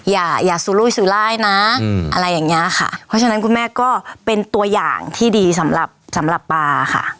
อย่าอย่าซูลุยสุรายนะอะไรอย่างเงี้ยค่ะเพราะฉะนั้นคุณแม่ก็เป็นตัวอย่างที่ดีสำหรับสำหรับปลาค่ะ